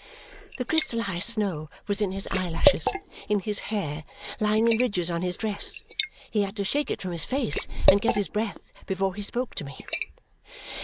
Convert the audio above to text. The crystallized snow was in his eyelashes, in his hair, lying in ridges on his dress. He had to shake it from his face and get his breath before he spoke to me.